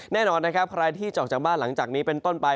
แน่นอนนะครับใครที่จะออกจากบ้านหลังจากนี้เป็นต้นไป